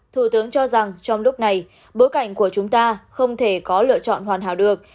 thủ tướng cho rằng trong lúc này bối cảnh của chúng ta không thể có lựa chọn hoàn hảo được